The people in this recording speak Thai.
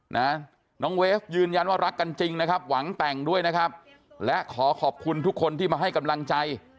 นะน้องเวฟยืนยันว่ารักกันจริงนะครับหวังแต่งด้วยนะครับและขอขอบคุณทุกคนที่มาให้กำลังใจ